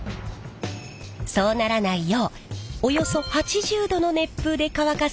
そうならないようおよそ８０℃の熱風で乾かすのがベストだそう。